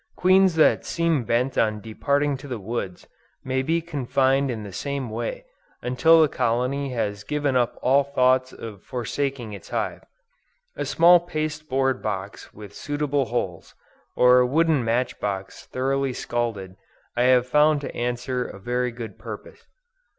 Queens that seem bent on departing to the woods, may be confined in the same way, until the colony has given up all thoughts of forsaking its hive. A small paste board box with suitable holes, or a wooden match box thoroughly scalded, I have found to answer a very good purpose.